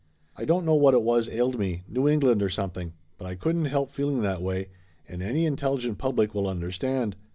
I don't know what it was ailed me, New England or something, but I couldn't help feeling that way, and any intelligent public will understand.